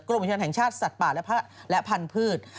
กรมวิทยาลัยแห่งชาติสัตว์ป่าและพันธ์พืช